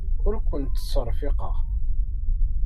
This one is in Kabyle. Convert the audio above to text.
Ur kent-ttserfiqeɣ.